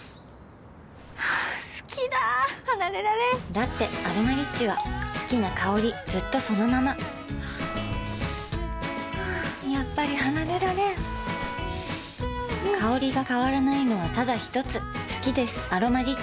好きだ離れられんだって「アロマリッチ」は好きな香りずっとそのままやっぱり離れられん香りが変わらないのはただひとつ好きです「アロマリッチ」